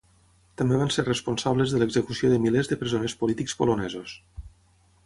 També van ser responsables de l'execució de milers de presoners polítics polonesos.